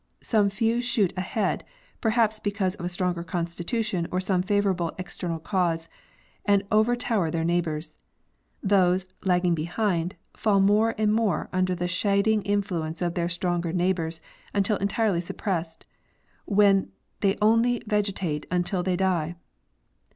Some few shoot ahead, perhaps because of a stronger constitution or some favorable external cause, and overtower their neighbors. These, lagging behind, fall more and more under the shading influence of their stronger neighbors until entirely suppressed, when they only vegetate until they die.